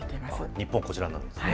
日本、こちらになるんですね。